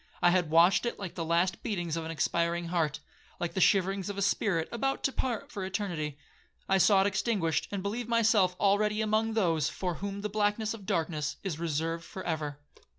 I had watched it like the last beatings of an expiring heart, like the shiverings of a spirit about to part for eternity. I saw it extinguished and believed myself already among those for 'whom the blackness of darkness is reserved for ever.'